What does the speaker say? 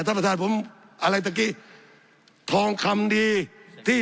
สับขาหลอกกันไปสับขาหลอกกันไป